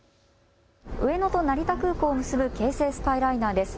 上野と成田空港を結ぶ京成スカイライナーです。